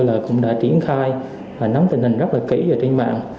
thì hôm nay chúng tôi cũng đã triển khai và nắm tình hình rất là kỹ trên mạng